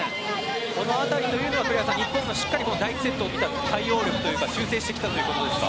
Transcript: この辺り、栗原さん日本が第１セットを見た対応力というか修正してきたということですか。